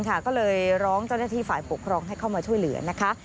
ก็เลยร้องเจ้าหน้าที่ฝ่ายปกครองให้เข้ามาช่วยเหลือนะคะ